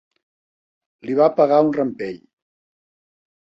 Li va pegar un rampell.